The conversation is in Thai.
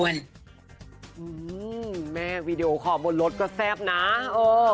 อื้อหือแม่วิดีโอขอบนรถกระแทบนะโอ้